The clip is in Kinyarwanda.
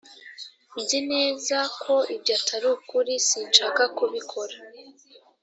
nzi neza ko ibyo atari ukuri. sinshaka kubikora